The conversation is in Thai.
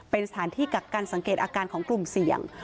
เป็นสถานที่กักกันสังเกตอาการของกลุ่มเสี่ยง